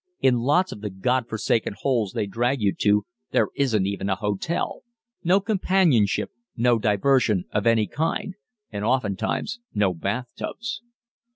In lots of the God forsaken holes they drag you to, there isn't even a hotel. No companionship, no diversion of any kind, and oftentimes no bathtubs."